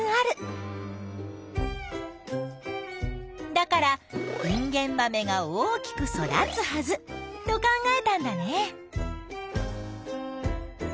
だからインゲンマメが大きく育つはずと考えたんだね。